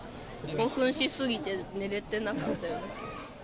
興奮しすぎて寝れてなかったよね。